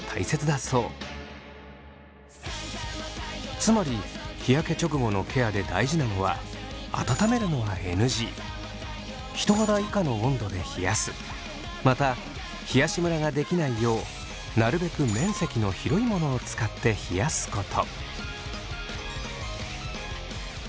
つまり日焼け直後のケアで大事なのは温めるのはＮＧ人肌以下の温度で冷やすまた冷やしムラができないようなるべく面積の広いものを使って冷やすこと。